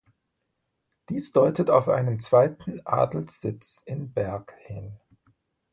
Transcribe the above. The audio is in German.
Dies deutet auf einen zweiten Adelssitz in Berg hin.